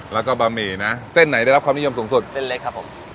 แล้วก็บะหมี่นะเส้นไหนได้รับความนิยมสูงสุดเส้นเล็กครับผม